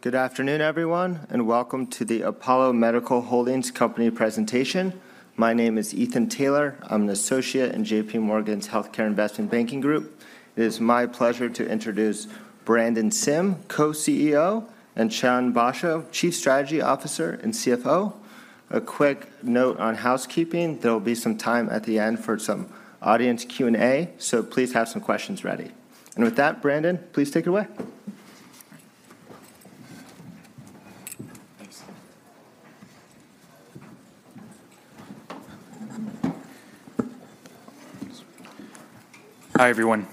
Good afternoon, everyone, and welcome to the Apollo Medical Holdings company presentation. My name is Ethan Taylor. I'm an associate in J.P. Morgan's Healthcare Investment Banking Group. It is my pleasure to introduce Brandon Sim, Co-CEO, and Chan Basho, Chief Strategy Officer and CFO. A quick note on housekeeping: there will be some time at the end for some audience Q&A, so please have some questions ready. And with that, Brandon, please take it away. Thanks. Hi, everyone.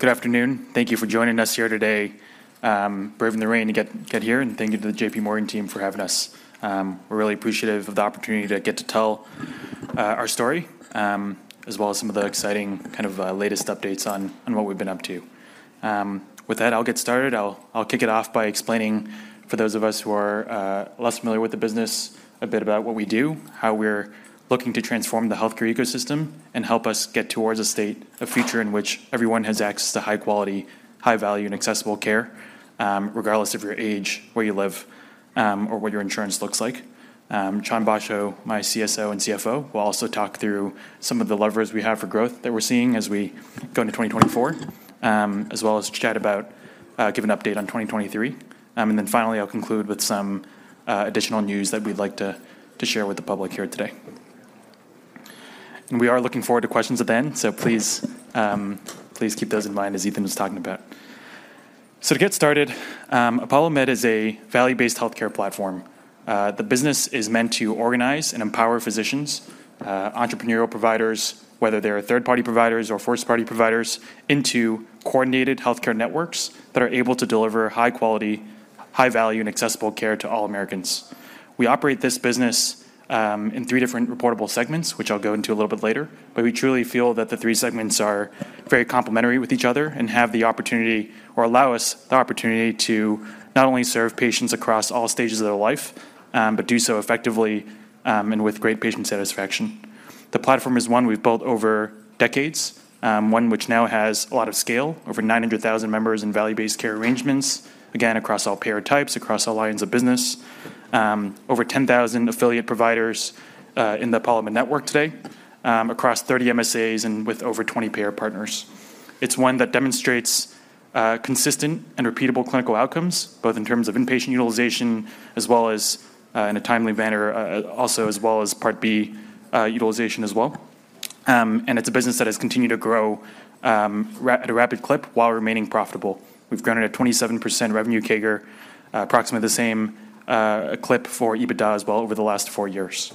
Good afternoon. Thank you for joining us here today, braving the rain to get here, and thank you to the J.P. Morgan team for having us. We're really appreciative of the opportunity to get to tell our story, as well as some of the exciting kind of latest updates on what we've been up to. With that, I'll get started. I'll kick it off by explaining, for those of us who are less familiar with the business, a bit about what we do, how we're looking to transform the healthcare ecosystem and help us get towards a state, a future in which everyone has access to high quality, high value, and accessible care, regardless of your age, where you live, or what your insurance looks like. Chan Basho, my CSO and CFO, will also talk through some of the levers we have for growth that we're seeing as we go into 2024, as well as give an update on 2023. Then finally, I'll conclude with some additional news that we'd like to share with the public here today. We are looking forward to questions at the end, so please keep those in mind, as Ethan was talking about. To get started, ApolloMed is a value-based healthcare platform. The business is meant to organize and empower physicians, entrepreneurial providers, whether they're third-party providers or first-party providers, into coordinated healthcare networks that are able to deliver high quality, high value, and accessible care to all Americans. We operate this business in three different reportable segments, which I'll go into a little bit later, but we truly feel that the three segments are very complementary with each other and have the opportunity or allow us the opportunity to not only serve patients across all stages of their life, but do so effectively, and with great patient satisfaction. The platform is one we've built over decades, one which now has a lot of scale, over 900,000 members in value-based care arrangements, again, across all payer types, across all lines of business. Over 10,000 affiliate providers in the ApolloMed network today, across 30 MSAs and with over 20 payer partners. It's one that demonstrates, consistent and repeatable clinical outcomes, both in terms of inpatient utilization as well as, in a timely manner, also as well as Part B, utilization as well. And it's a business that has continued to grow, at a rapid clip while remaining profitable. We've grown at a 27% revenue CAGR, approximately the same, clip for EBITDA as well over the last four years.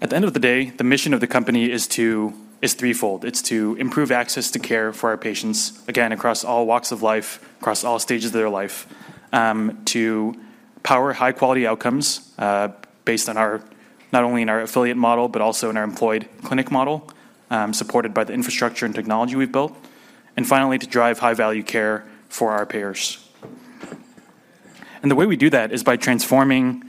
At the end of the day, the mission of the company is to... is threefold. It's to improve access to care for our patients, again, across all walks of life, across all stages of their life, to power high-quality outcomes, based not only in our affiliate model, but also in our employed clinic model, supported by the infrastructure and technology we've built, and finally, to drive high-value care for our payers. The way we do that is by transforming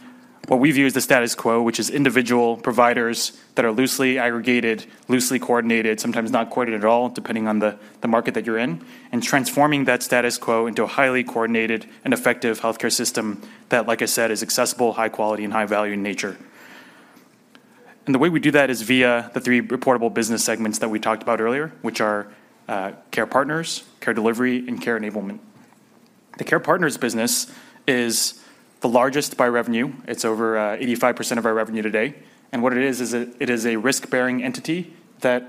what we view as the status quo, which is individual providers that are loosely aggregated, loosely coordinated, sometimes not coordinated at all, depending on the market that you're in, and transforming that status quo into a highly coordinated and effective healthcare system that, like I said, is accessible, high quality, and high value in nature. The way we do that is via the three reportable business segments that we talked about earlier, which are: Care Partners, Care Delivery, Care Enablement. The Care Partners business is the largest by revenue. It's over 85% of our revenue today. And what it is, is it, it is a risk-bearing entity that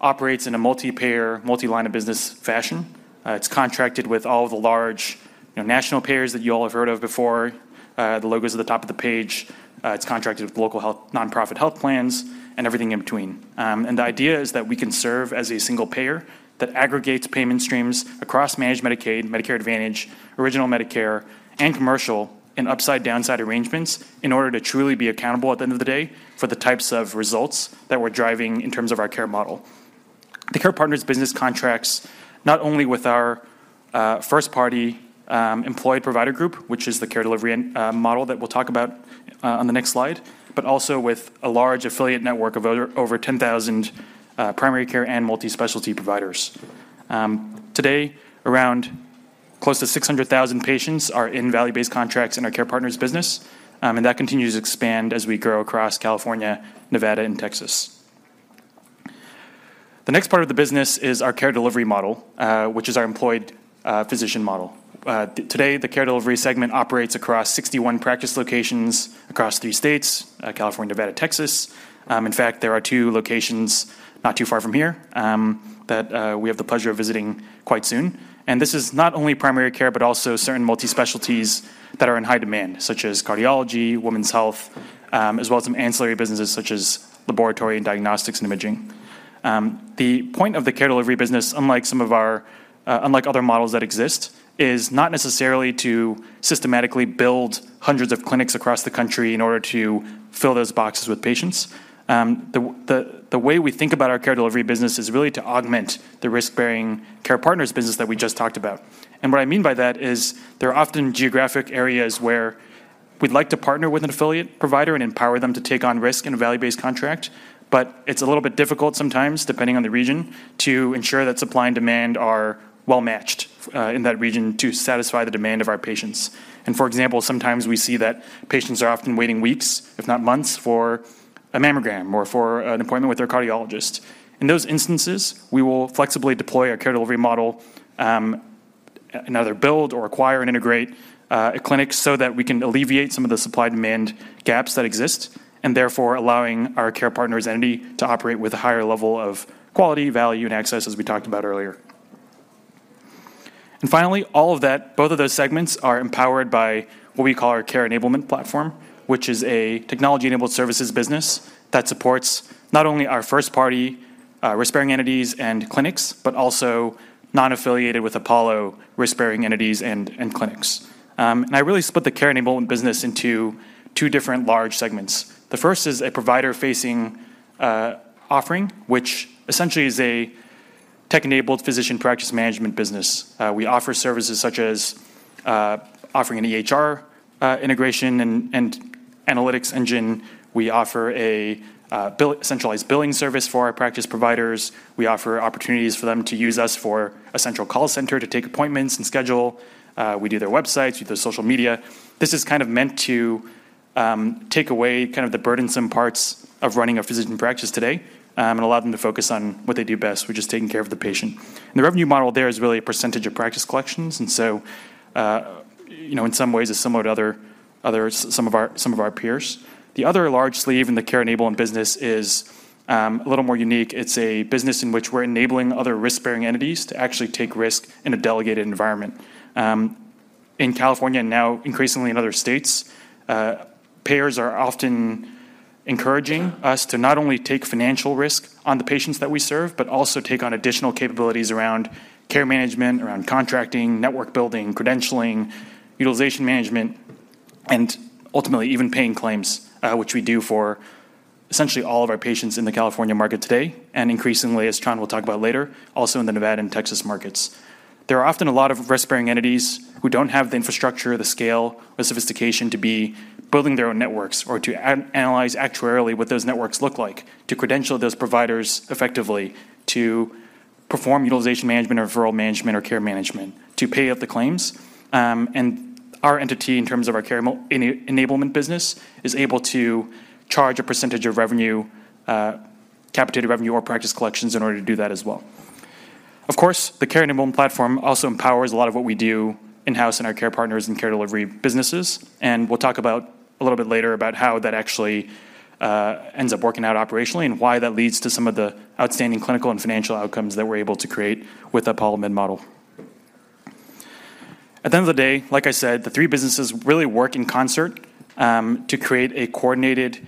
operates in a multi-payer, multi-line of business fashion. It's contracted with all the large, you know, national payers that you all have heard of before, the logos at the top of the page. It's contracted with local health, nonprofit health plans and everything in between. And the idea is that we can serve as a single payer that aggregates payment streams across managed Medicaid, Medicare Advantage, Original Medicare, and commercial in upside-downside arrangements in order to truly be accountable at the end of the day for the types of results that we're driving in terms of our care model. The Care Partners business contracts not only with our first-party employed provider group, which is the Care Delivery and model that we'll talk about on the next slide, but also with a large affiliate network of over 10,000 primary care and multi-specialty providers. Today, around close to 600,000 patients are in value-based contracts in our Care Partners business, and that continues to expand as we grow across California, Nevada, and Texas. The next part of the business is our Care Delivery model, which is our employed physician model. Today, the Care Delivery segment operates across 61 practice locations across three states: California, Nevada, Texas. In fact, there are two locations not too far from here, that we have the pleasure of visiting quite soon. And this is not only primary care, but also certain multi-specialties that are in high demand, such as cardiology, women's health, as well as some ancillary businesses, such as laboratory and diagnostics and imaging. The point of the Care Delivery business, unlike other models that exist, is not necessarily to systematically build hundreds of clinics across the country in order to fill those boxes with patients. The way we think about our Care Delivery business is really to augment the risk-bearing Care Partners business that we just talked about. And what I mean by that is there are often geographic areas where we'd like to partner with an affiliate provider and empower them to take on risk in a value-based contract, but it's a little bit difficult sometimes, depending on the region, to ensure that supply and demand are well matched in that region to satisfy the demand of our patients. And for example, sometimes we see that patients are often waiting weeks, if not months, for a mammogram or for an appointment with their cardiologist. In those instances, we will flexibly deploy our Care Delivery model, and either build or acquire and integrate a clinic so that we can alleviate some of the supply-demand gaps that exist, and therefore allowing our Care Partners entity to operate with a higher level of quality, value, and access, as we talked about earlier. And finally, all of that, both of those segments are empowered by what we call our Care Enablement platform, which is a technology-enabled services business that supports not only our first-party risk-bearing entities and clinics, but also non-affiliated with Apollo risk-bearing entities and clinics. And I really split the Care Enablement business into two different large segments. The first is a provider-facing offering, which essentially is a tech-enabled physician practice management business. We offer services such as offering an EHR integration and analytics engine. We offer a centralized billing service for our practice providers. We offer opportunities for them to use us for a central call center to take appointments and schedule. We do their websites, we do their social media. This is kind of meant to take away kind of the burdensome parts of running a physician practice today, and allow them to focus on what they do best, which is taking care of the patient. And the revenue model there is really a percentage of practice collections, and so, you know, in some ways, it's similar to others, some of our peers. The other large sleeve in the Care Enablement business is a little more unique. It's a business in which we're enabling other risk-bearing entities to actually take risk in a delegated environment. In California, and now increasingly in other states, payers are often encouraging us to not only take financial risk on the patients that we serve, but also take on additional capabilities around care management, around contracting, network building, credentialing, utilization management, and ultimately, even paying claims, which we do for essentially all of our patients in the California market today, and increasingly, as Brandon will talk about later, also in the Nevada and Texas markets. There are often a lot of risk-bearing entities who don't have the infrastructure, the scale, the sophistication to be building their own networks or to analyze actuarially what those networks look like, to credential those providers effectively, to perform utilization management or referral management or care management, to pay up the claims. Our entity, in terms of our Care Enablement business, is able to charge a percentage of revenue, capitated revenue or practice collections in order to do that as well. Of course, the Care Enablement platform also empowers a lot of what we do in-house in our Care Partners and Care Delivery businesses, and we'll talk about a little bit later about how that actually ends up working out operationally and why that leads to some of the outstanding clinical and financial outcomes that we're able to create with ApolloMed model. At the end of the day, like I said, the three businesses really work in concert to create a coordinated,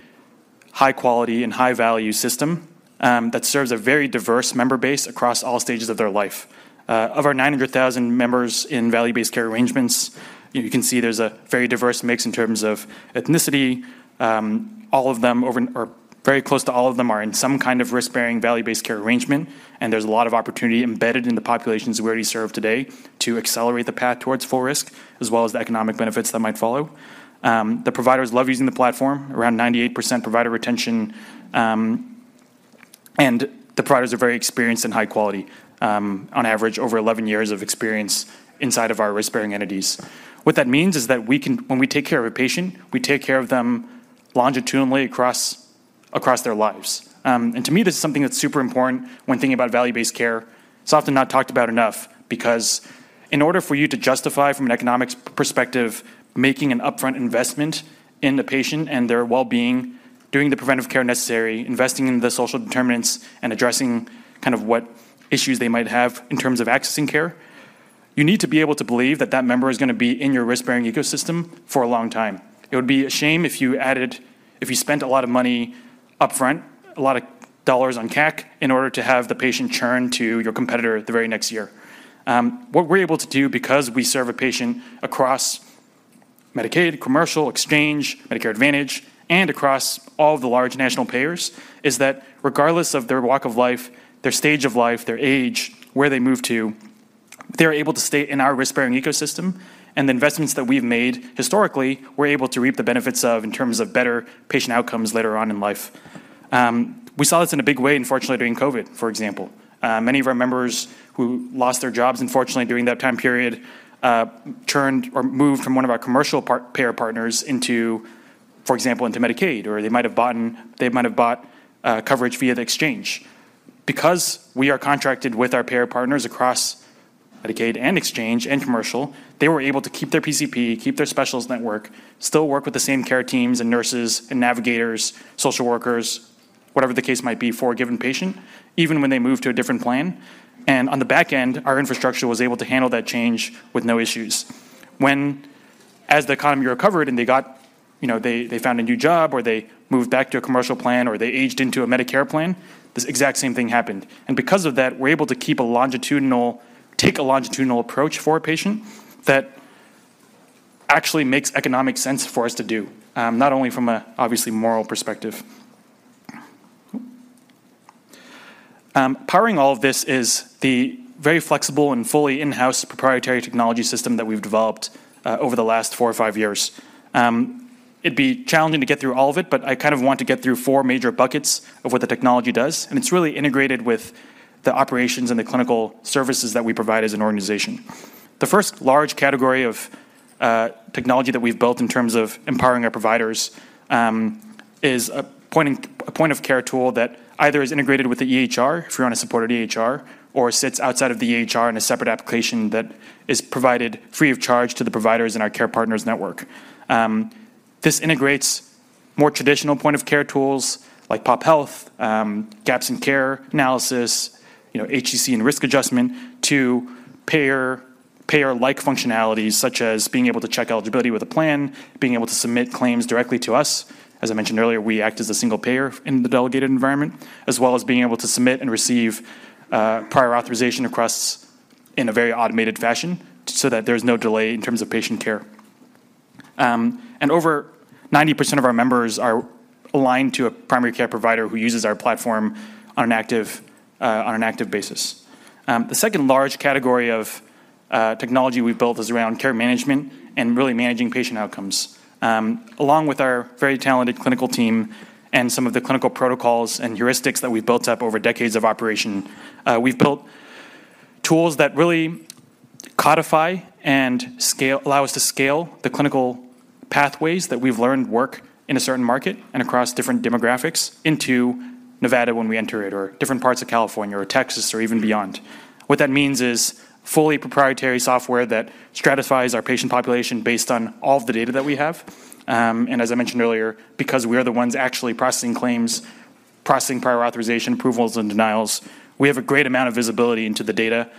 high quality and high value system that serves a very diverse member base across all stages of their life. Of our 900,000 members in value-based care arrangements, you can see there's a very diverse mix in terms of ethnicity. All of them over, or very close to all of them are in some kind of risk-bearing, value-based care arrangement, and there's a lot of opportunity embedded in the populations we already serve today to accelerate the path towards full risk, as well as the economic benefits that might follow. The providers love using the platform, around 98% provider retention, and the providers are very experienced and high quality, on average, over 11 years of experience inside of our risk-bearing entities. What that means is that we can, when we take care of a patient, we take care of them longitudinally across their lives. And to me, this is something that's super important when thinking about value-based care. It's often not talked about enough because in order for you to justify from an economics perspective, making an upfront investment in the patient and their well-being, doing the preventive care necessary, investing in the social determinants, and addressing kind of what issues they might have in terms of accessing care, you need to be able to believe that that member is gonna be in your risk-bearing ecosystem for a long time. It would be a shame if you spent a lot of money upfront, a lot of dollars on CAC, in order to have the patient churn to your competitor the very next year. What we're able to do because we serve a patient across Medicaid, commercial, exchange, Medicare Advantage, and across all the large national payers, is that regardless of their walk of life, their stage of life, their age, where they move to, they're able to stay in our risk-bearing ecosystem, and the investments that we've made historically, we're able to reap the benefits of in terms of better patient outcomes later on in life. We saw this in a big way, unfortunately, during COVID, for example. Many of our members who lost their jobs, unfortunately, during that time period, churned or moved from one of our commercial payer partners into, for example, into Medicaid, or they might have bought coverage via the exchange. Because we are contracted with our payer partners across Medicaid and exchange and commercial, they were able to keep their PCP, keep their specialist network, still work with the same care teams and nurses and navigators, social workers, whatever the case might be for a given patient, even when they moved to a different plan. On the back end, our infrastructure was able to handle that change with no issues. When, as the economy recovered and they got, you know, they found a new job, or they moved back to a commercial plan, or they aged into a Medicare plan, this exact same thing happened. Because of that, we're able to take a longitudinal approach for a patient that actually makes economic sense for us to do, not only from a obviously moral perspective. Powering all of this is the very flexible and fully in-house proprietary technology system that we've developed over the last four or five years. It'd be challenging to get through all of it, but I kind of want to get through four major buckets of what the technology does, and it's really integrated with the operations and the clinical services that we provide as an organization. The first large category of technology that we've built in terms of empowering our providers is a point-of-care tool that either is integrated with the EHR, if you're on a supported EHR, or sits outside of the EHR in a separate application that is provided free of charge to the providers in our Care Partners network. This integrates more traditional point-of-care tools like pop health, gaps in care analysis, you know, HCC and risk adjustment to payer, payer-like functionalities, such as being able to check eligibility with a plan, being able to submit claims directly to us. As I mentioned earlier, we act as a single payer in the delegated environment, as well as being able to submit and receive, prior authorization requests in a very automated fashion so that there's no delay in terms of patient care. And over 90% of our members are aligned to a primary care provider who uses our platform on an active basis. The second large category of technology we've built is around care management and really managing patient outcomes. Along with our very talented clinical team and some of the clinical protocols and heuristics that we've built up over decades of operation, we've built tools that really codify and allow us to scale the clinical pathways that we've learned work in a certain market and across different demographics into Nevada when we enter it, or different parts of California or Texas, or even beyond. What that means is fully proprietary software that stratifies our patient population based on all of the data that we have. As I mentioned earlier, because we are the ones actually processing claims, processing prior authorization approvals and denials, we have a great amount of visibility into the data,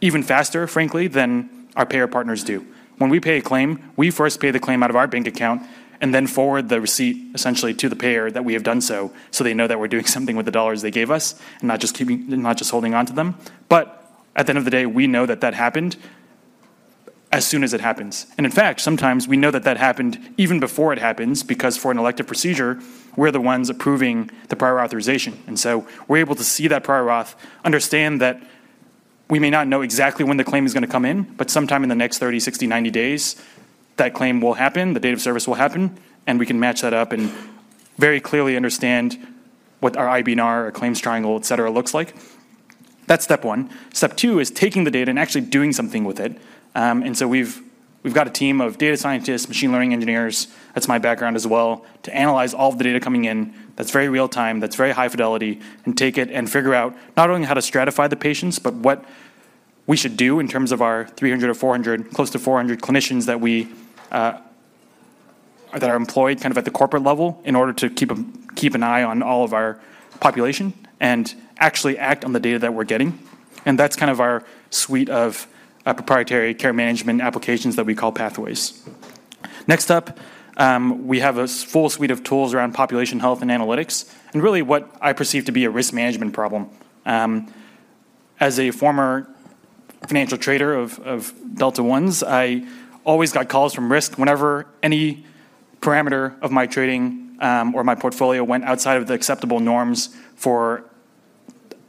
even faster, frankly, than our payer partners do. When we pay a claim, we first pay the claim out of our bank account and then forward the receipt, essentially, to the payer that we have done so, so they know that we're doing something with the dollars they gave us, and not just keeping- not just holding onto them. But at the end of the day, we know that that happened as soon as it happens. And in fact, sometimes we know that that happened even before it happens, because for an elective procedure, we're the ones approving the prior authorization. And so we're able to see that prior auth, understand that we may not know exactly when the claim is gonna come in, but sometime in the next 30, 60, 90 days, that claim will happen, the date of service will happen, and we can match that up and very clearly understand what our IBNR or claims triangle, et cetera, looks like. That's step one. Step two is taking the data and actually doing something with it. And so we've got a team of data scientists, machine learning engineers, that's my background as well, to analyze all of the data coming in that's very real-time, that's very high fidelity, and take it and figure out not only how to stratify the patients, but what we should do in terms of our 300 or 400, close to 400 clinicians that we that are employed kind of at the corporate level in order to keep an eye on all of our population and actually act on the data that we're getting. And that's kind of our suite of proprietary care management applications that we call Pathways. Next up, we have a full suite of tools around population health and analytics, and really what I perceive to be a risk management problem. As a former financial trader of Delta One, I always got calls from risk whenever any parameter of my trading or my portfolio went outside of the acceptable norms for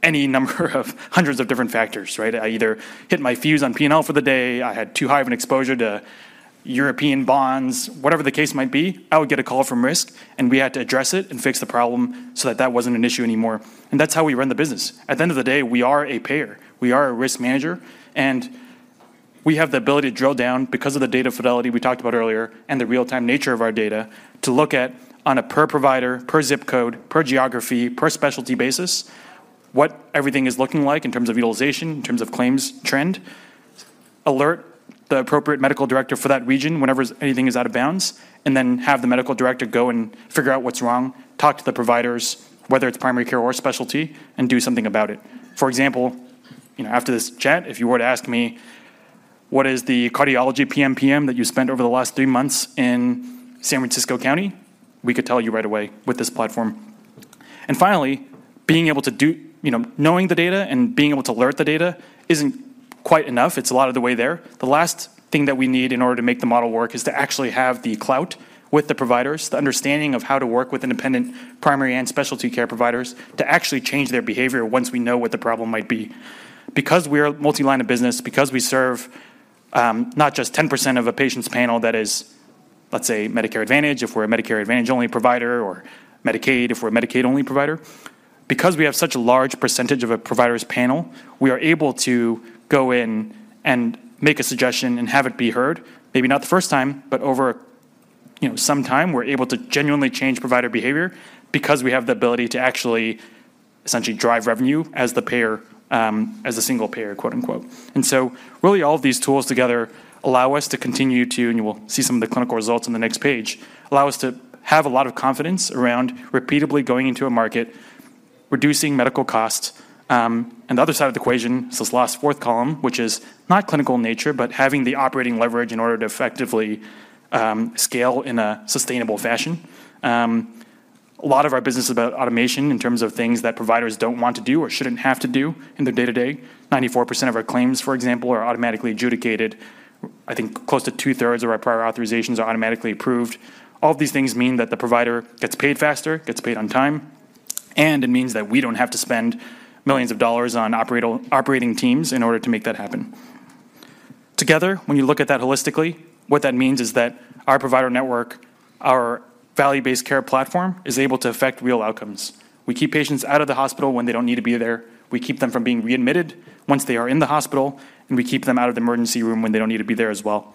any number of hundreds of different factors, right? I either hit my fuse on P&L for the day, I had too high of an exposure to European bonds. Whatever the case might be, I would get a call from risk, and we had to address it and fix the problem so that that wasn't an issue anymore. That's how we run the business. At the end of the day, we are a payer, we are a risk manager, and we have the ability to drill down because of the data fidelity we talked about earlier and the real-time nature of our data, to look at on a per provider, per zip code, per geography, per specialty basis, what everything is looking like in terms of utilization, in terms of claims trend, alert the appropriate medical director for that region whenever anything is out of bounds, and then have the medical director go and figure out what's wrong, talk to the providers, whether it's primary care or specialty, and do something about it. For example, you know, after this chat, if you were to ask me, "What is the cardiology PMPM that you spent over the last three months in San Francisco County?" We could tell you right away with this platform. Finally, being able to do... You know, knowing the data and being able to alert the data isn't quite enough. It's a lot of the way there. The last thing that we need in order to make the model work is to actually have the clout with the providers, the understanding of how to work with independent primary and specialty care providers, to actually change their behavior once we know what the problem might be. Because we are multi-line of business, because we serve, not just 10% of a patient's panel, that is, let's say, Medicare Advantage, if we're a Medicare Advantage-only provider, or Medicaid, if we're a Medicaid-only provider. Because we have such a large percentage of a provider's panel, we are able to go in and make a suggestion and have it be heard. Maybe not the first time, but over, you know, some time, we're able to genuinely change provider behavior because we have the ability to actually essentially drive revenue as the payer, as a single payer, quote, unquote. And so really, all of these tools together allow us to continue to, and you will see some of the clinical results on the next page, allow us to have a lot of confidence around repeatably going into a market, reducing medical costs. And the other side of the equation is this last fourth column, which is not clinical in nature, but having the operating leverage in order to effectively scale in a sustainable fashion. A lot of our business is about automation in terms of things that providers don't want to do or shouldn't have to do in their day-to-day. 94% of our claims, for example, are automatically adjudicated. I think close to two-thirds of our prior authorizations are automatically approved. All of these things mean that the provider gets paid faster, gets paid on time, and it means that we don't have to spend $ millions on operating teams in order to make that happen.... Together, when you look at that holistically, what that means is that our provider network, our value-based care platform, is able to affect real outcomes. We keep patients out of the hospital when they don't need to be there. We keep them from being readmitted once they are in the hospital, and we keep them out of the emergency room when they don't need to be there as well.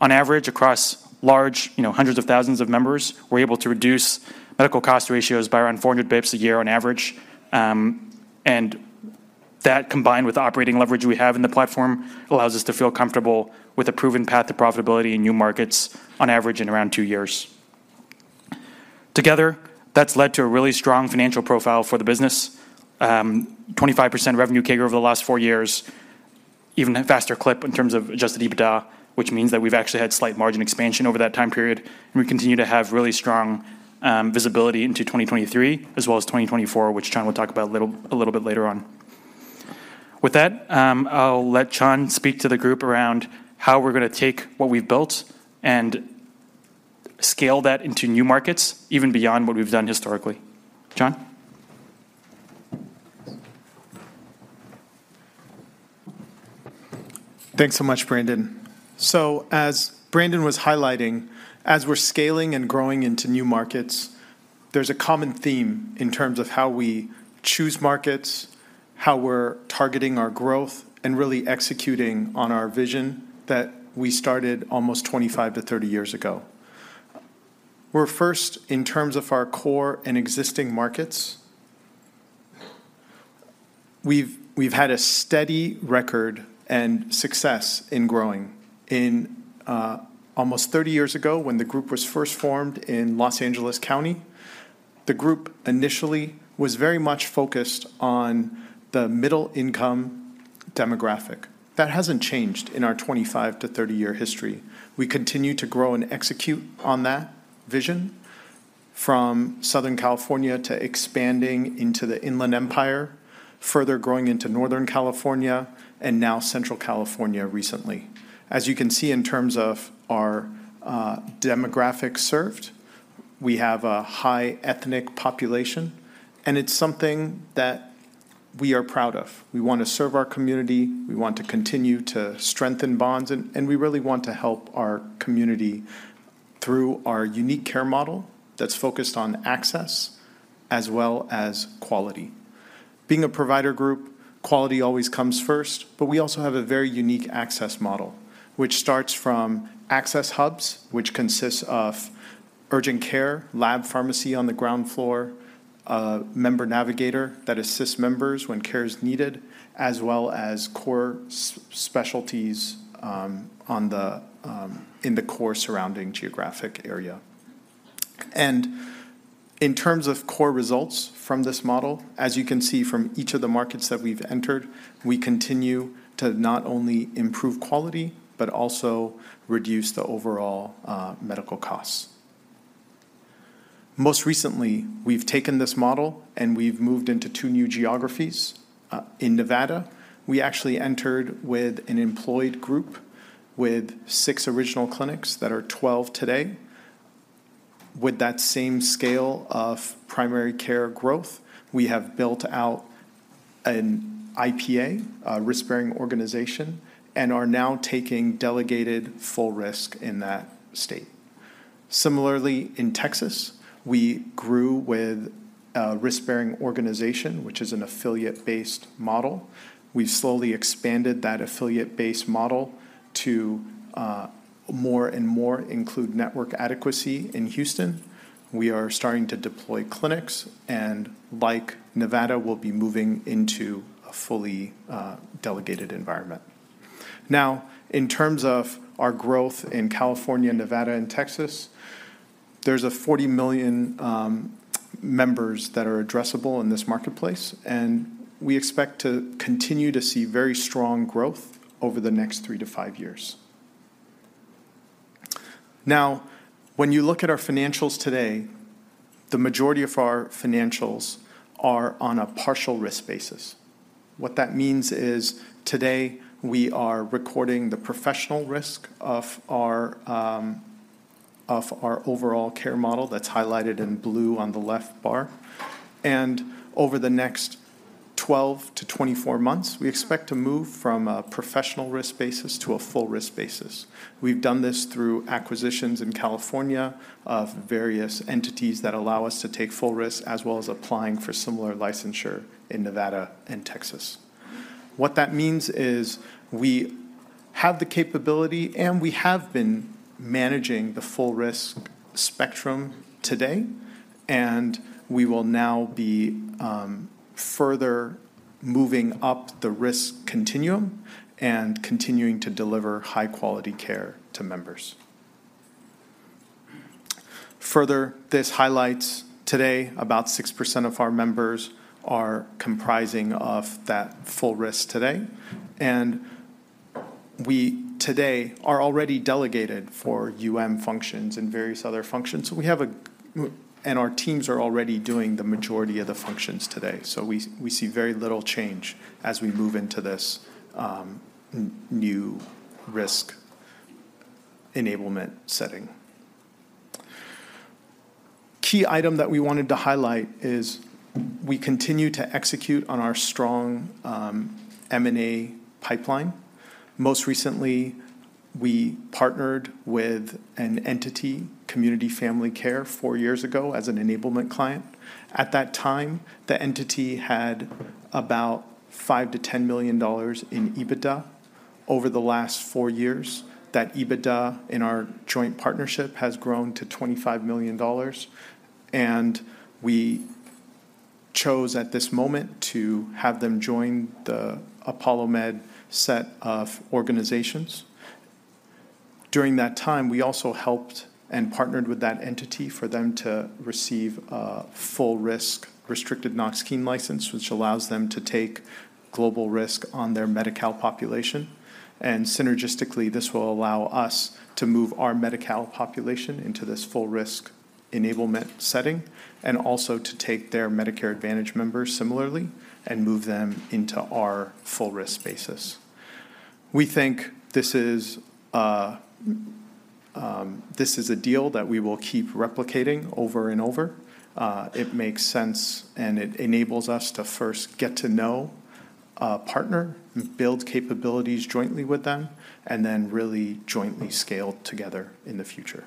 On average, across large, you know, hundreds of thousands of members, we're able to reduce medical cost ratios by around 400 basis points a year on average. And that, combined with the operating leverage we have in the platform, allows us to feel comfortable with a proven path to profitability in new markets on average in around two years. Together, that's led to a really strong financial profile for the business. 25% revenue CAGR over the last four years, even a faster clip in terms of adjusted EBITDA, which means that we've actually had slight margin expansion over that time period, and we continue to have really strong visibility into 2023, as well as 2024, which Chan will talk about a little bit later on. With that, I'll let Chan speak to the group around how we're gonna take what we've built and scale that into new markets, even beyond what we've done historically. Chan? Thanks so much, Brandon. So as Brandon was highlighting, as we're scaling and growing into new markets, there's a common theme in terms of how we choose markets, how we're targeting our growth, and really executing on our vision that we started almost 25-30 years ago. We're first in terms of our core and existing markets. We've had a steady record and success in growing. In almost 30 years ago, when the group was first formed in Los Angeles County, the group initially was very much focused on the middle-income demographic. That hasn't changed in our 25-30-year history. We continue to grow and execute on that vision, from Southern California to expanding into the Inland Empire, further growing into Northern California, and now Central California recently. As you can see, in terms of our demographics served, we have a high ethnic population, and it's something that we are proud of. We want to serve our community, we want to continue to strengthen bonds, and we really want to help our community through our unique care model that's focused on access as well as quality. Being a provider group, quality always comes first, but we also have a very unique access model, which starts from access hubs, which consists of urgent care, lab pharmacy on the ground floor, a member navigator that assists members when care is needed, as well as core specialties in the core surrounding geographic area. In terms of core results from this model, as you can see from each of the markets that we've entered, we continue to not only improve quality but also reduce the overall, medical costs. Most recently, we've taken this model, and we've moved into two new geographies. In Nevada, we actually entered with an employed group with 6 original clinics that are 12 today. With that same scale of primary care growth, we have built out an IPA, a risk-bearing organization, and are now taking delegated full risk in that state. Similarly, in Texas, we grew with a risk-bearing organization, which is an affiliate-based model. We've slowly expanded that affiliate-based model to, more and more include network adequacy in Houston. We are starting to deploy clinics, and like Nevada, we'll be moving into a fully delegated environment. Now, in terms of our growth in California, Nevada, and Texas, there's a 40 million members that are addressable in this marketplace, and we expect to continue to see very strong growth over the next three-five years. Now, when you look at our financials today, the majority of our financials are on a partial risk basis. What that means is, today, we are recording the professional risk of our overall care model. That's highlighted in blue on the left bar. And over the next 12-24 months, we expect to move from a professional risk basis to a full risk basis. We've done this through acquisitions in California of various entities that allow us to take full risk, as well as applying for similar licensure in Nevada and Texas. What that means is we have the capability, and we have been managing the full risk spectrum today, and we will now be further moving up the risk continuum and continuing to deliver high-quality care to members. Further, this highlights today, about 6% of our members are comprising of that full risk today, and we today are already delegated for UM functions and various other functions. So we have, and our teams are already doing the majority of the functions today, so we see very little change as we move into this new risk enablement setting. Key item that we wanted to highlight is we continue to execute on our strong M&A pipeline. Most recently, we partnered with an entity, Community Family Care, four years ago as an enablement client. At that time, the entity had about $5-$10 million in EBITDA. Over the last four years, that EBITDA in our joint partnership has grown to $25 million, and we chose at this moment to have them join the ApolloMed set of organizations. During that time, we also helped and partnered with that entity for them to receive a full-risk restricted Knox-Keene license, which allows them to take global risk on their Medi-Cal population. Synergistically, this will allow us to move our Medi-Cal population into this full-risk enablement setting, and also to take their Medicare Advantage members similarly and move them into our full-risk basis. We think this is a this is a deal that we will keep replicating over and over. It makes sense, and it enables us to first get to know a partner, build capabilities jointly with them, and then really jointly scale together in the future.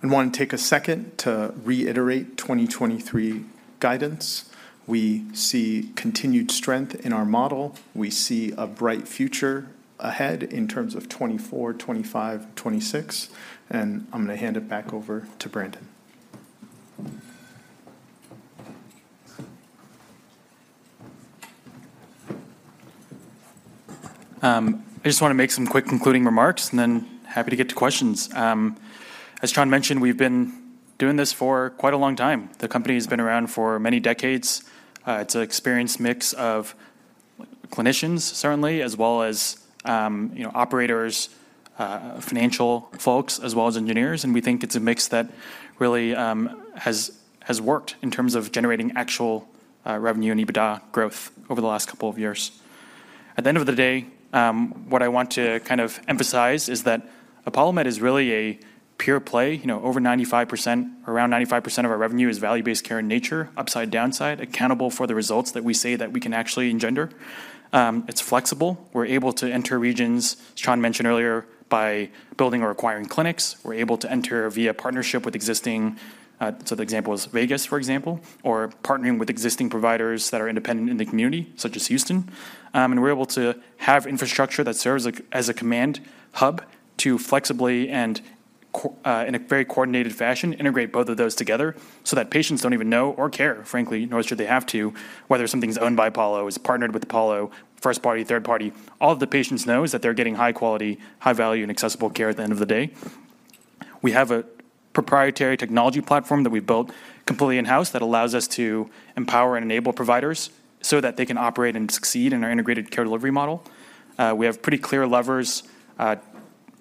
I want to take a second to reiterate 2023 guidance. We see continued strength in our model. We see a bright future ahead in terms of 2024, 2025, 2026, and I'm gonna hand it back over to Brandon. I just wanna make some quick concluding remarks, and then happy to get to questions. As Chan mentioned, we've been doing this for quite a long time. The company has been around for many decades. It's an experienced mix of clinicians, certainly, as well as, you know, operators, financial folks, as well as engineers, and we think it's a mix that really has worked in terms of generating actual revenue and EBITDA growth over the last couple of years. At the end of the day, what I want to kind of emphasize is that ApolloMed is really a pure play. You know, over 95%-- around 95% of our revenue is value-based care in nature, upside, downside, accountable for the results that we say that we can actually engender. It's flexible. We're able to enter regions, as Chan mentioned earlier, by building or acquiring clinics. We're able to enter via partnership with existing, so the example is Vegas, for example, or partnering with existing providers that are independent in the community, such as Houston. And we're able to have infrastructure that serves as a command hub to flexibly and in a very coordinated fashion, integrate both of those together so that patients don't even know or care, frankly, nor should they have to, whether something's owned by Apollo, is partnered with Apollo, first party, third party. All the patients know is that they're getting high quality, high value, and accessible care at the end of the day. We have a proprietary technology platform that we've built completely in-house that allows us to empower and enable providers so that they can operate and succeed in our integrated Care Delivery model. We have pretty clear levers,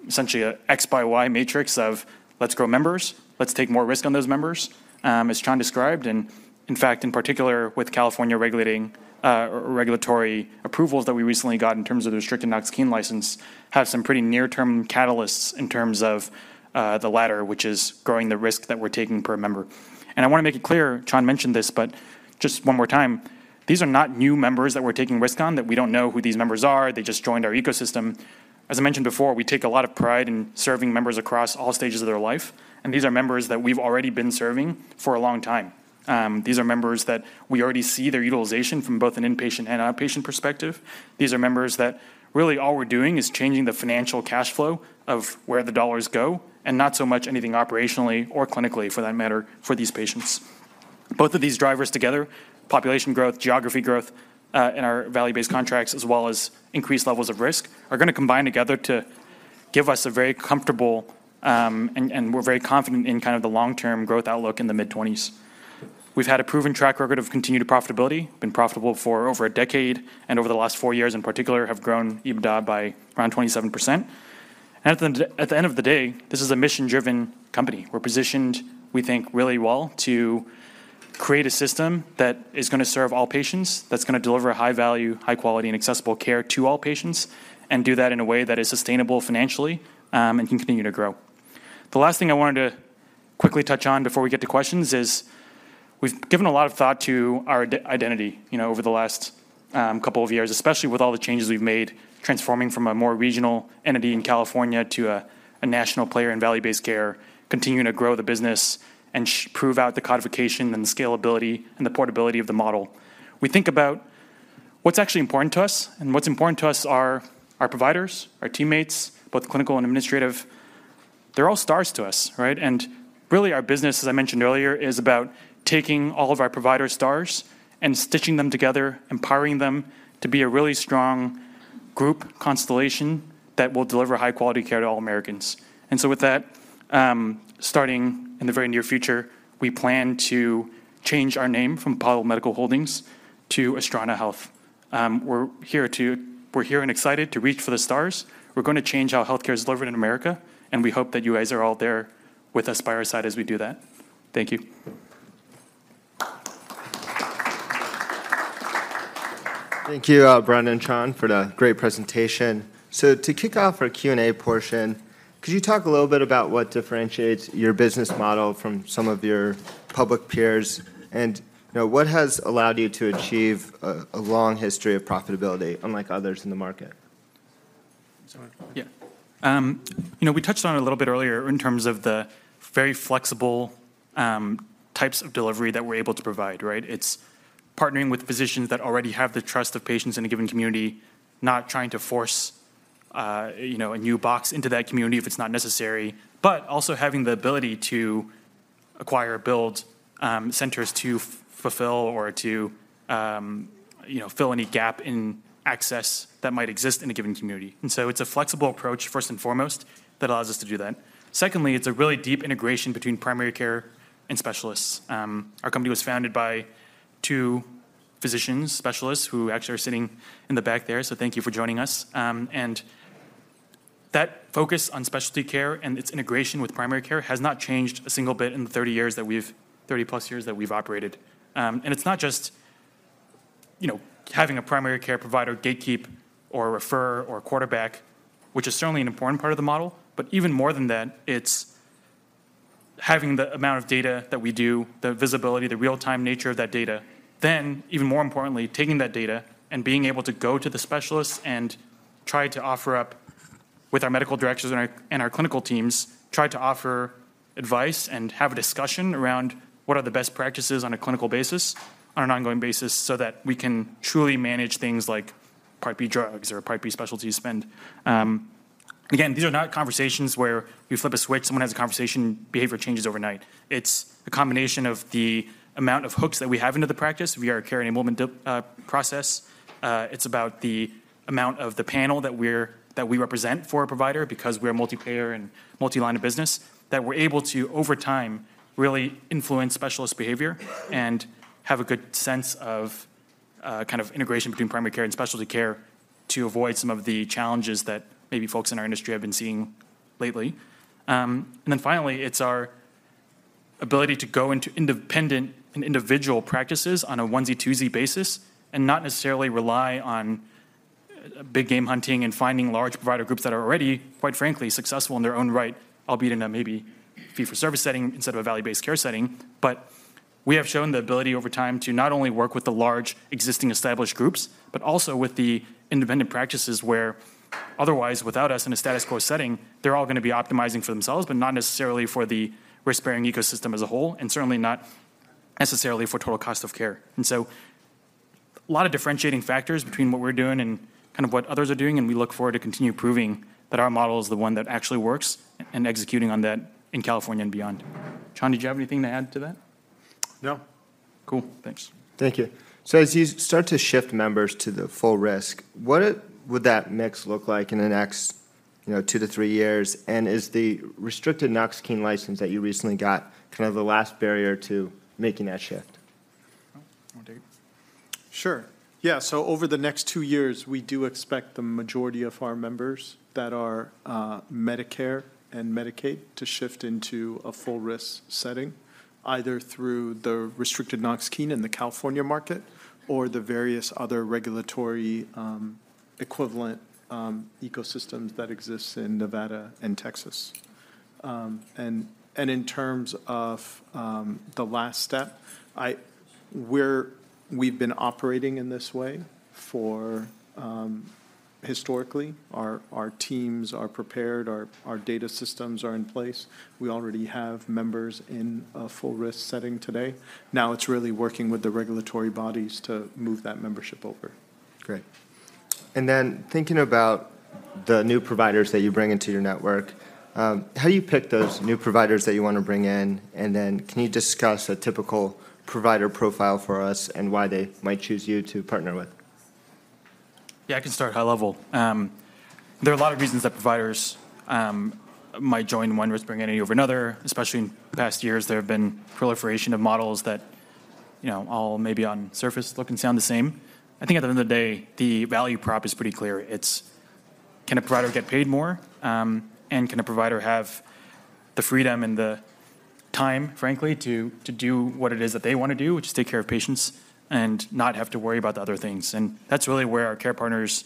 essentially, a X by Y matrix of let's grow members, let's take more risk on those members, as Chan described, and in fact, in particular, with California regulating, or regulatory approvals that we recently got in terms of the restricted Knox-Keene license, have some pretty near-term catalysts in terms of the latter, which is growing the risk that we're taking per member. And I wanna make it clear, Chan mentioned this, but just one more time, these are not new members that we're taking risk on, that we don't know who these members are. They just joined our ecosystem. As I mentioned before, we take a lot of pride in serving members across all stages of their life, and these are members that we've already been serving for a long time. These are members that we already see their utilization from both an inpatient and outpatient perspective. These are members that really all we're doing is changing the financial cash flow of where the dollars go, and not so much anything operationally or clinically, for that matter, for these patients. Both of these drivers together, population growth, geography growth, and our value-based contracts, as well as increased levels of risk, are gonna combine together to give us a very comfortable, and we're very confident in kind of the long-term growth outlook in the mid-twenties. We've had a proven track record of continued profitability, been profitable for over a decade, and over the last four years, in particular, have grown EBITDA by around 27%. At the end, at the end of the day, this is a mission-driven company. We're positioned, we think, really well to create a system that is gonna serve all patients, that's going to deliver high value, high quality, and accessible care to all patients, and do that in a way that is sustainable financially, and can continue to grow. The last thing I wanted to quickly touch on before we get to questions is, we've given a lot of thought to our identity, you know, over the last couple of years, especially with all the changes we've made, transforming from a more regional entity in California to a national player in value-based care, continuing to grow the business and prove out the codification and the scalability and the portability of the model. We think about what's actually important to us, and what's important to us are our providers, our teammates, both clinical and administrative. They're all stars to us, right? And really, our business, as I mentioned earlier, is about taking all of our provider stars and stitching them together, empowering them to be a really strong group constellation that will deliver high-quality care to all Americans. So with that, starting in the very near future, we plan to change our name from Apollo Medical Holdings to Astrana Health. We're here and excited to reach for the stars. We're gonna change how healthcare is delivered in America, and we hope that you guys are all there with us by our side as we do that. Thank you.... Thank you, Brandon and Chan, for the great presentation. So to kick off our Q&A portion, could you talk a little bit about what differentiates your business model from some of your public peers? And, you know, what has allowed you to achieve a long history of profitability, unlike others in the market? Sorry. Yeah. You know, we touched on it a little bit earlier in terms of the very flexible types of delivery that we're able to provide, right? It's partnering with physicians that already have the trust of patients in a given community, not trying to force you know a new box into that community if it's not necessary, but also having the ability to acquire, build, centers to fulfill or to you know fill any gap in access that might exist in a given community. And so it's a flexible approach, first and foremost, that allows us to do that. Secondly, it's a really deep integration between primary care and specialists. Our company was founded by two physicians, specialists, who actually are sitting in the back there, so thank you for joining us. And that focus on specialty care and its integration with primary care has not changed a single bit in the 30+ years that we've operated. And it's not just, you know, having a primary care provider gatekeep or refer or quarterback, which is certainly an important part of the model, but even more than that, it's having the amount of data that we do, the visibility, the real-time nature of that data. Then, even more importantly, taking that data and being able to go to the specialists and try to offer up, with our medical directors and our clinical teams, try to offer advice and have a discussion around what are the best practices on a clinical basis, on an ongoing basis, so that we can truly manage things like Part B drugs or Part B specialty spend. Again, these are not conversations where you flip a switch, someone has a conversation, behavior changes overnight. It's a combination of the amount of hooks that we have into the practice. We are a Care Enablement process. It's about the amount of the panel that we represent for a provider, because we're multi-payer and multi-line of business, that we're able to, over time, really influence specialist behavior and have a good sense of, kind of integration between primary care and specialty care to avoid some of the challenges that maybe folks in our industry have been seeing lately. and then finally, it's our ability to go into independent and individual practices on a onesie-twosie basis and not necessarily rely on, big-game hunting and finding large provider groups that are already, quite frankly, successful in their own right, albeit in a maybe fee-for-service setting instead of a value-based care setting. But we have shown the ability over time to not only work with the large, existing, established groups, but also with the independent practices where otherwise, without us, in a status quo setting, they're all going to be optimizing for themselves, but not necessarily for the risk-bearing ecosystem as a whole, and certainly not necessarily for total cost of care. And so a lot of differentiating factors between what we're doing and kind of what others are doing, and we look forward to continue proving that our model is the one that actually works, and executing on that in California and beyond. Chan, did you have anything to add to that? No. Cool. Thanks. Thank you. So as you start to shift members to the full risk, what would that mix look like in the next, you know, two-three years? And is the restricted Knox-Keene license that you recently got kind of the last barrier to making that shift? You wanna take it? Sure. Yeah, so over the next two years, we do expect the majority of our members that are Medicare and Medicaid to shift into a full-risk setting, either through the restricted Knox-Keene in the California market or the various other regulatory equivalent ecosystems that exist in Nevada and Texas. And in terms of the last step, we've been operating in this way historically. Our teams are prepared, our data systems are in place. We already have members in a full-risk setting today. Now, it's really working with the regulatory bodies to move that membership over. Great. And then, thinking about the new providers that you bring into your network, how do you pick those new providers that you want to bring in? And then, can you discuss a typical provider profile for us and why they might choose you to partner with? Yeah, I can start high level. There are a lot of reasons that providers might join one risk-bearing entity over another, especially in the past years. There have been proliferation of models that, you know, all maybe on surface, look and sound the same. I think at the end of the day, the value prop is pretty clear. It's, can a provider get paid more? And can a provider have the freedom and the time, frankly, to, to do what it is that they want to do, which is take care of patients and not have to worry about the other things? And that's really where our Care Partners'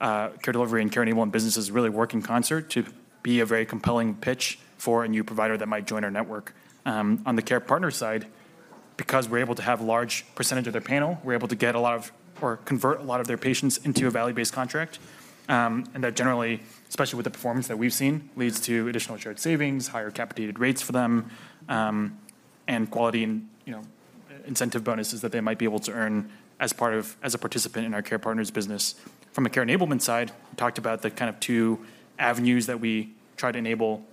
Care Delivery and Care Enablement businesses really work in concert to be a very compelling pitch for a new provider that might join our network. On the Care Partners side, because we're able to have large percentage of their panel, we're able to convert a lot of their patients into a value-based contract. And that generally, especially with the performance that we've seen, leads to additional shared savings, higher capitated rates for them, and quality and, you know, incentive bonuses that they might be able to earn as a participant in our Care Partners business. From a Care Enablement side, we talked about the kind of two avenues that we try to enable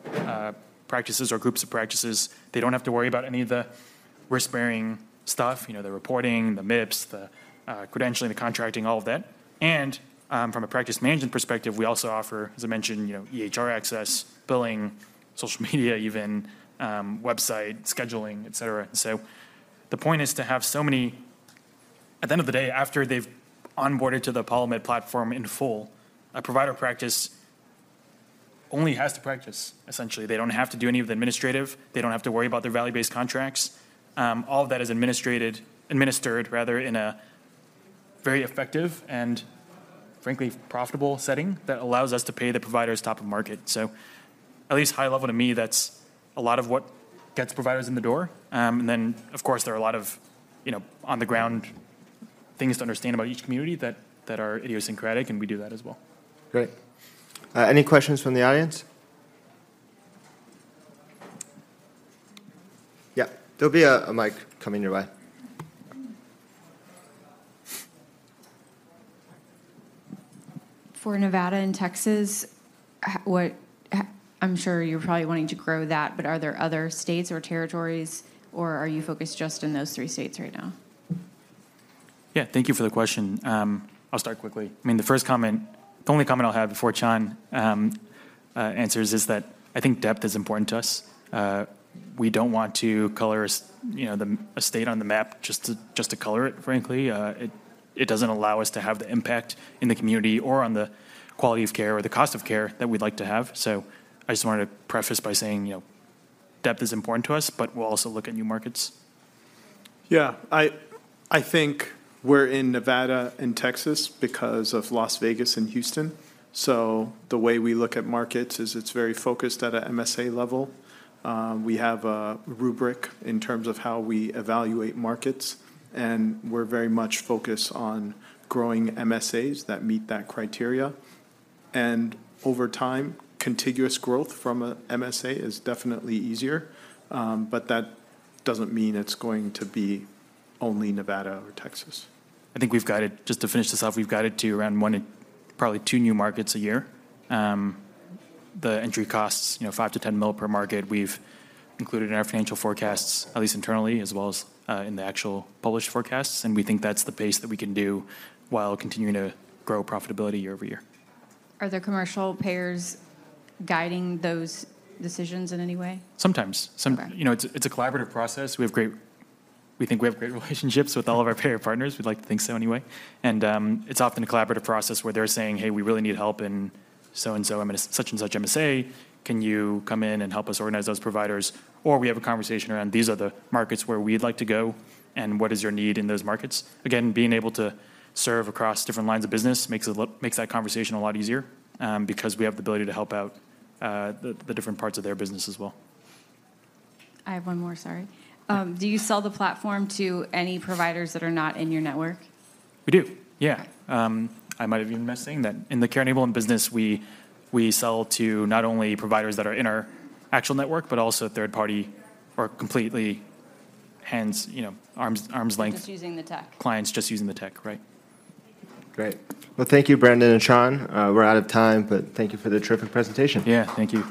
practices or groups of practices. They don't have to worry about any of the risk-bearing stuff, you know, the reporting, the MIPS, the credentialing, the contracting, all of that. From a practice management perspective, we also offer, as I mentioned, you know, EHR access, billing, social media even, website, scheduling, et cetera. So the point is, at the end of the day, after they've onboarded to the ApolloMed platform in full, a provider practice only has to practice, essentially. They don't have to do any of the administrative, they don't have to worry about their value-based contracts. All of that is administrated, administered rather, in a very effective and frankly, profitable setting that allows us to pay the providers top of market. So at least high level, to me, that's a lot of what gets providers in the door. And then, of course, there are a lot of, you know, on the ground things to understand about each community that are idiosyncratic, and we do that as well. Great. Any questions from the audience? Yeah, there'll be a mic coming your way. For Nevada and Texas, what... I'm sure you're probably wanting to grow that, but are there other states or territories, or are you focused just in those three states right now? Yeah, thank you for the question. I'll start quickly. I mean, the first comment, the only comment I'll have before Chan answers is that I think depth is important to us. We don't want to color s- you know, the, a state on the map just to, just to color it, frankly. It doesn't allow us to have the impact in the community or on the quality of care or the cost of care that we'd like to have. So I just wanted to preface by saying, you know, depth is important to us, but we'll also look at new markets. Yeah. I think we're in Nevada and Texas because of Las Vegas and Houston, so the way we look at markets is it's very focused at a MSA level. We have a rubric in terms of how we evaluate markets, and we're very much focused on growing MSAs that meet that criteria. And over time, contiguous growth from a MSA is definitely easier, but that doesn't mean it's going to be only Nevada or Texas. I think we've guided, just to finish this off, we've guided to around one in probably two new markets a year. The entry costs, you know, 5 million-10 million per market, we've included in our financial forecasts, at least internally, as well as in the actual published forecasts, and we think that's the pace that we can do while continuing to grow profitability year-over-year. Are there commercial payers guiding those decisions in any way? Sometimes. Some- Okay. You know, it's a collaborative process. We think we have great relationships with all of our payer partners. We'd like to think so, anyway. It's often a collaborative process where they're saying, "Hey, we really need help in so and so, I mean, such and such MSA, can you come in and help us organize those providers?" Or we have a conversation around, "These are the markets where we'd like to go, and what is your need in those markets?" Again, being able to serve across different lines of business makes that conversation a lot easier, because we have the ability to help out the different parts of their business as well. I have one more, sorry. Yeah. Do you sell the platform to any providers that are not in your network? We do, yeah. Okay. I might have been missing that in the Care Enablement business, we sell to not only providers that are in our actual network, but also third party or completely hands, you know, arms length- Just using the tech. Clients just using the tech. Right. Great. Well, thank you, Brandon and Chan. We're out of time, but thank you for the terrific presentation. Yeah. Thank you.